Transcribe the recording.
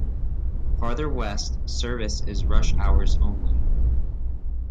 Farther west, service is rush hours only.